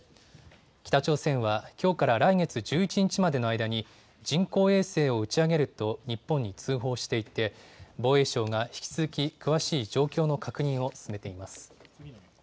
北朝鮮は、きょうから来月１１日までの間に、人工衛星を打ち上げると日本に通報していて、防衛省が引き続き詳しい状況の確認を進めています。